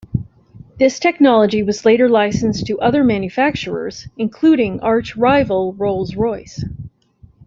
This technology was later licensed to other manufacturers, including arch-rival Rolls-Royce.